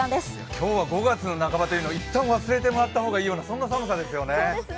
今日は５月の半ばというのを一端忘れてもらったほうがいいようなそんな寒さですよね。